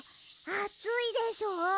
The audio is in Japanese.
あついでしょ？